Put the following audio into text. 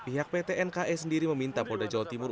pihak pt nke sendiri meminta polda jawa timur